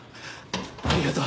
ありがとう。